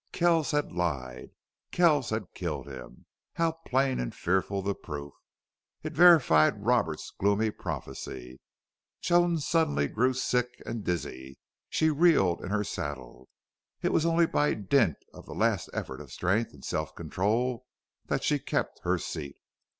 Kells had lied. Kells had killed him. How plain and fearful the proof! It verified Roberts's gloomy prophecy. Joan suddenly grew sick and dizzy. She reeled in her saddle. It was only by dint of the last effort of strength and self control that she kept her seat.